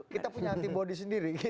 kita punya antibody sendiri